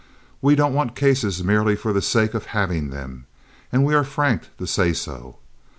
We don't want cases merely for the sake of having them, and we are frank to say so.